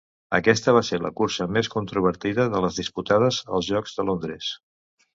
Aquesta va ser la cursa més controvertida de les disputades als Jocs de Londres.